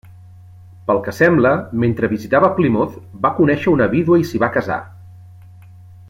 Pel que sembla, mentre visitava Plymouth, va conèixer una vídua i s'hi va casar.